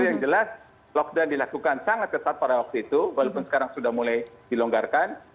yang jelas lockdown dilakukan sangat ketat pada waktu itu walaupun sekarang sudah mulai dilonggarkan